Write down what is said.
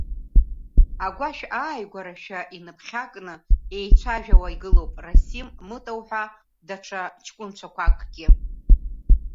Агәашә ааигәарашәа иныԥхьакны, еицәажәауа игылоуп Расим, Мыта уҳәа даҽа ҷкәынцәақәакгьы.